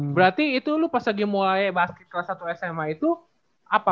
berarti itu lu pas lagi mulai basket kelas satu sma itu apa